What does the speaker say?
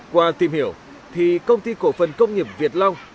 qua tìm hiểu thì công ty cổ phần công nghiệp việt long